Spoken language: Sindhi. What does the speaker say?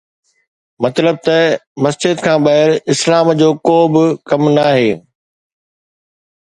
مطلب ته مسجد کان ٻاهر اسلام جو ڪوبه ڪم ناهي